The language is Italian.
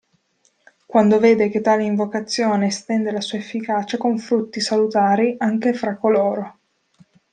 Quando vede che tale invocazione estende la sua efficacia con frutti salutari anche fra coloro.